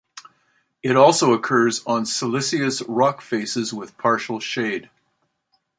It also occurs on siliceous rock faces with partial shade.